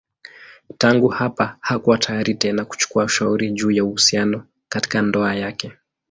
Tangu hapa hakuwa tayari tena kuchukua ushauri juu ya uhusiano katika ndoa yake.